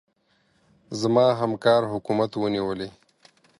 زما همکار حکومت ونيولې.